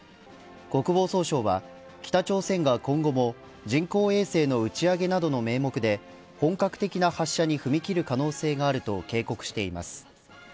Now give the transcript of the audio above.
国防総省は北朝鮮が今後も人工衛星の打ち上げなどの名目で本格的な発射に踏み切る可能性があると警告しています。